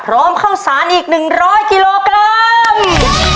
พร้อมเข้าสารอีก๑๐๐กิโลกรัม